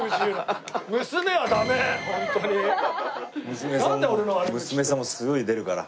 娘さんも娘さんもすごい出るから。